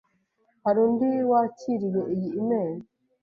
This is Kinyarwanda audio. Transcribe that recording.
Hari undi wakiriye iyi imeri?